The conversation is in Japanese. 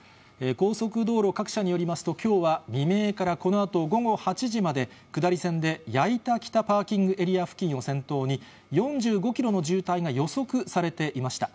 高速道路各社によりますと、きょうは未明から、このあと午後８時まで、下り線で矢板北パーキングエリア付近を先頭に、４５キロの渋滞が予測されていました。